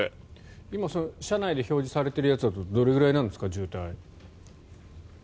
今、車内で表示されているやつだと渋滞、どれくらいなんですか？